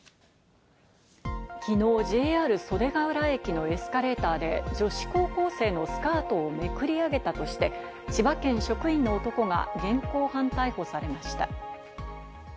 昨日、ＪＲ袖ケ浦駅のエスカレーターで女子高校生のスカートをめくり上げたとして、千葉県職員の男が現行犯逮捕されました。